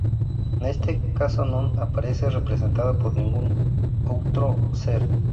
Neste caso non aparece representada por ningún outro ser.